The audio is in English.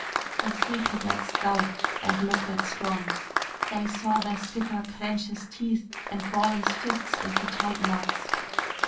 The three cadets gulped and looked at Strong. They saw their skipper clench his teeth and ball his fists into tight knots.